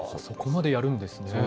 そこまでやるんですね。